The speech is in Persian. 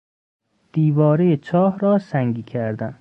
دیوارهی چاه را سنگی کردن